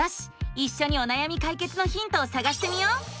いっしょにおなやみ解決のヒントをさがしてみよう！